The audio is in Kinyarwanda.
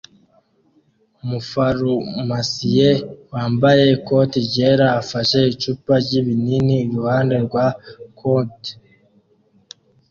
Umufarumasiye wambaye ikoti ryera afashe icupa ryibinini iruhande rwa compte